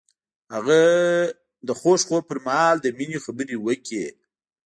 هغه د خوږ خوب پر مهال د مینې خبرې وکړې.